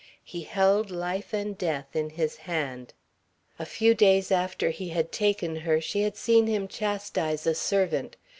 He held life and death in his hand. A few days after he had taken her she had seen him chastise a servant.